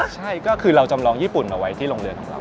ใช่ก็คือเราจำลองญี่ปุ่นมาไว้ที่โรงเรียนของเรา